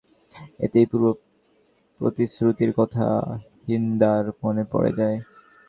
এতেই পূর্ব প্রতিশ্রুতির কথা হিন্দার মনে পড়ে যায়।